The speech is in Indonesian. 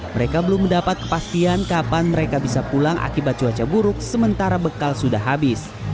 mereka belum mendapat kepastian kapan mereka bisa pulang akibat cuaca buruk sementara bekal sudah habis